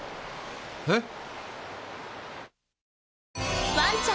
えっ！？